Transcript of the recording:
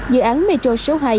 dự án metro số hai